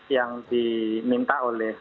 yang diminta oleh